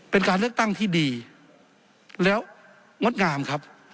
เป็นการเลือกตั้งที่ดีแล้วงดงามครับ